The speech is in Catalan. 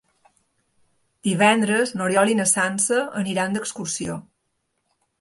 Divendres n'Oriol i na Sança aniran d'excursió.